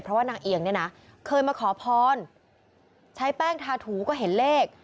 เพราะว่านางเอียงเนี่ยนะเคยมาขอพรใช้แป้งทาถูก็เห็นเลข